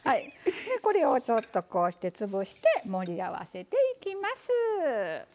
これをちょっとこうして潰して盛り合わせていきます。